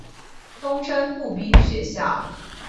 通称步兵学校。